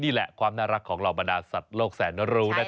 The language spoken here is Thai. นี่แหละความน่ารักของเหล่าบรรดาสัตว์โลกแสนรู้นะครับ